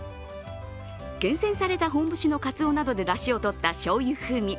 厳選された本節のかつおなどでだしをとったしょうゆ風味。